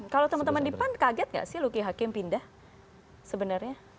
kalau teman teman di pan kaget nggak sih luki hakim pindah sebenarnya